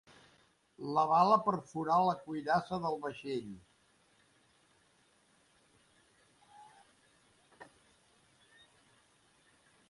La bala perforà la cuirassa del vaixell.